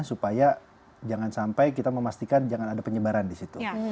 supaya jangan sampai kita memastikan jangan ada penyebaran di situ